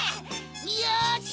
よし！